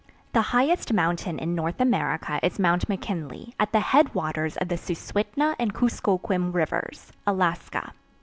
The highest mountain in North America is Mt. McKinley, at the headwaters of the Suswhitna and Kuskokwim rivers, Alaska.